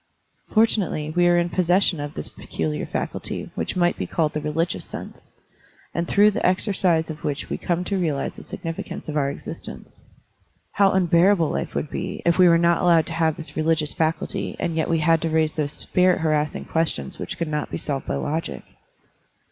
Fortunately, we are in possession of this peculiar faculty which might be called the religious sense, and through the exercise of which we come to realize the significance of our existence. How unbearable life would be, if we were not allowed to have this religious faculty and yet we had to raise those spirit harassing questions which could not be solved by logic!